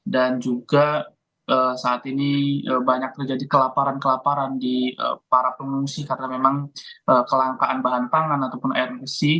dan juga saat ini banyak terjadi kelaparan kelaparan di para pengungsi karena memang kelangkaan bahan pangan ataupun air emisi